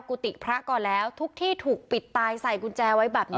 กุฏิพระก่อนแล้วทุกที่ถูกปิดตายใส่กุญแจไว้แบบนี้